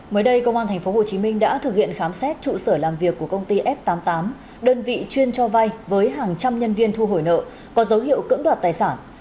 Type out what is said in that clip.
mới đây công an tp hcm đã thực hiện khám xét trụ sở làm việc của công ty f tám mươi tám đơn vị chuyên cho vay với hàng trăm nhân viên thu hồi nợ có dấu hiệu cưỡng đoạt tài sản